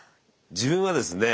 自分はですね